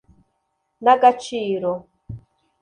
n’Agaciro